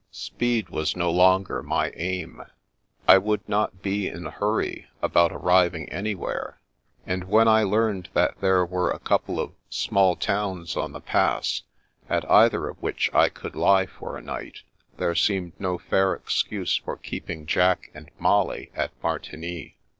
Speed was no longer my aim. I would not be in a hurry about arriving anywhere, and when I learned that there were a couple of small towns on the Pass, af either .of which I could lie for a night, there seemed no fair excuse for keeping Jack and Molly at Martigny.